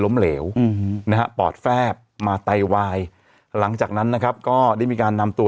เหลวนะฮะปอดแฟบมาไตวายหลังจากนั้นนะครับก็ได้มีการนำตัว